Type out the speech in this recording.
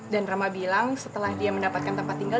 dan rahmat bilang setelah dia mendapatkan tempat tinggal